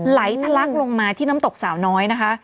ไหลทะลักลงมาที่น้ำตกสาวน้อยนะคะ